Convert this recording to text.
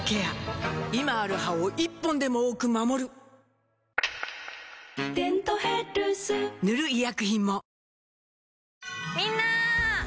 今ある歯を１本でも多く守る「デントヘルス」塗る医薬品も